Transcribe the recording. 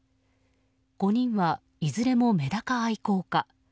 ５人はいずれもメダカ愛好家。